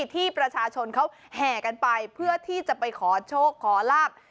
ที่ประชาชนเขาแห่กันไปเพื่อที่จะไปขอโชคขอลาบ